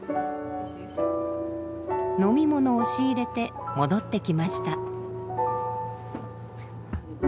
飲み物を仕入れて戻ってきました。